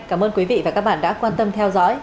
cảm ơn quý vị và các bạn đã quan tâm theo dõi